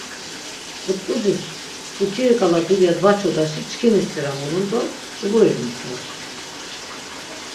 But̆ǩucis pukiri ǩala dulya dvaçodaşi çkini sira mulun do ç̌uburi vimxort.